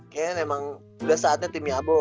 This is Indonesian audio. kayaknya emang udah saatnya tim ya bo